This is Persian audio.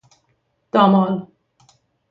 دامال